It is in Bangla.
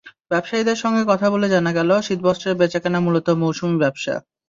ব্যবসায়ীদের সঙ্গে কথা বলে জানা গেল, শীতবস্ত্রের বেচাকেনা মূলত মৌসুমি ব্যবসা।